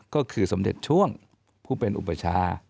ก็คือสมเด็จช่วงผู้เป็นอุปชา